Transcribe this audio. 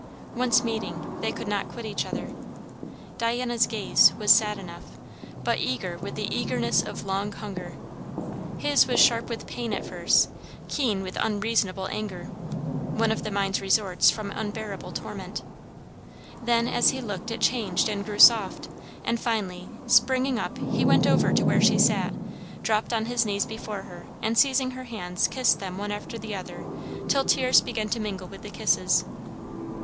Once meeting, they could not quit each other. Diana's gaze was sad enough, but eager with the eagerness of long hunger. His was sharp with pain at first, keen with unreasonable anger; one of the mind's resorts from unbearable torment. Then as he looked it changed and grew soft; and finally, springing up, he went over to where she sat, dropped on his knees before her, and seizing her hands kissed them one after the other till tears began to mingle with the kisses.